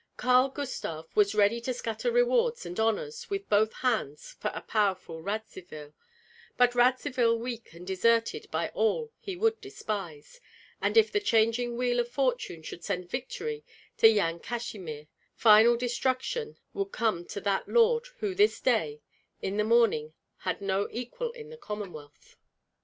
Karl Gustav was ready to scatter rewards and honors with both hands for a powerful Radzivill, but Radzivill weak and deserted by all he would despise; and if the changing wheel of fortune should send victory to Yan Kazimir, final destruction would come to that lord who this day in the morning had no equal in the Commonwealth.